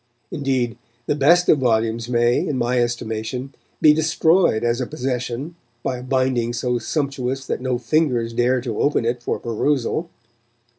Indeed, the best of volumes may, in my estimation, be destroyed as a possession by a binding so sumptuous that no fingers dare to open it for perusal.